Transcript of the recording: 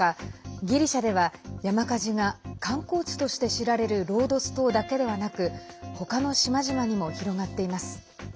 ギリシャでは山火事が観光地として知られるロードス島だけではなく他の島々にも広がっています。